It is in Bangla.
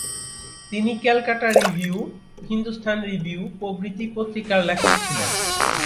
তিনি 'ক্যালকাটা রিভিউ', 'হিন্দুস্তান রিভিউ' প্রভৃতি পত্রিকার লেখক ছিলেন।